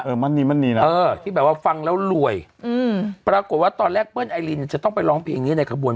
มั่นนี้มั่นนีนะเออที่แบบว่าฟังแล้วรวยอืมปรากฏว่าตอนแรกเปิ้ลไอรินจะต้องไปร้องเพลงนี้ในขบวน